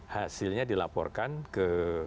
hasilnya dilaporkan ke